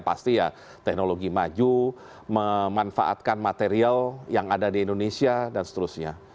pasti ya teknologi maju memanfaatkan material yang ada di indonesia dan seterusnya